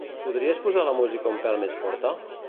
Podries posar la música un pèl més forta?